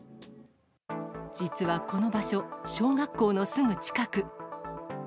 実はこの場所、小学校のすぐ近く。